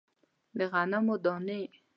د غنمو دانې